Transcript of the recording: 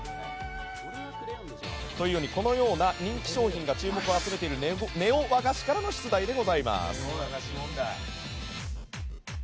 このような人気商品が注目を集めているネオ和菓子からの出題でございます。